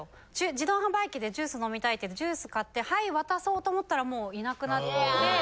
自動販売機でジュース飲みたいってジュース買ってはい渡そうと思ったらもういなくなってて。